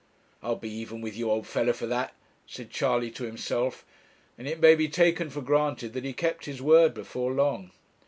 'I'll be even with you, old fellow, for that,' said Charley to himself; and it may be taken for granted that he kept his word before long.